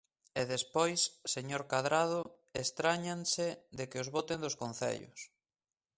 E despois, señor Cadrado, estráñanse de que os boten dos concellos.